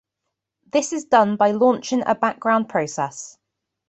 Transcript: This is done by launching a background process.